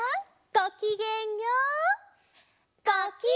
ごきげんよう！